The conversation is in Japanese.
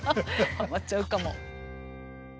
はまっちゃうかも。